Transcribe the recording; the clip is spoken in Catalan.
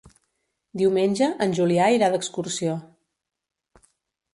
Diumenge en Julià irà d'excursió.